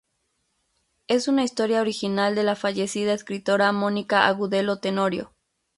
Es una historia original de la fallecida escritora Mónica Agudelo Tenorio.